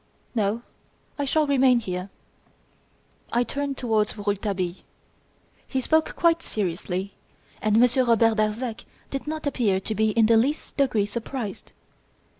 "No; I shall remain here." I turned towards Rouletabille. He spoke quite seriously, and Monsieur Robert Darzac did not appear to be in the least degree surprised.